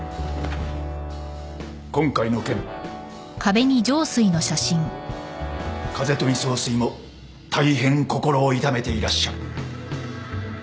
今回の件風富総帥も大変心を痛めていらっしゃる。